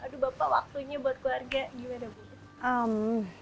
aduh bapak waktunya buat keluarga gimana bu